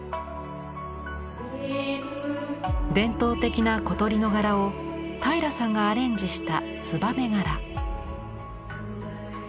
伝統的な小鳥の柄を平良さんがアレンジしたツバメ柄。